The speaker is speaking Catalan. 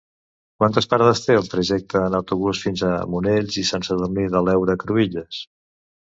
Quantes parades té el trajecte en autobús fins a Monells i Sant Sadurní de l'Heura Cruïlles?